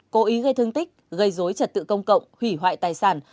cố ý gây thương tích gây dối trật tự công cộng hủy hoại tài sản